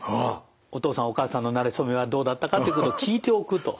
お父さんお母さんのなれ初めはどうだったかということを聞いておくと。